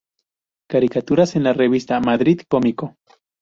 Caricaturas en la revista "Madrid Cómico"